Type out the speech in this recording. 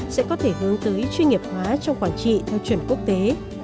sẽ có thể hướng tới chuyên nghiệp hóa trong quản trị theo chuẩn quốc tế